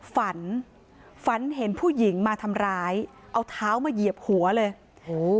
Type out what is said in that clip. ฝันฝันเห็นผู้หญิงมาทำร้ายเอาเท้ามาเหยียบหัวเลยโอ้โห